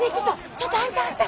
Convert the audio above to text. ちょっとあんたあんた！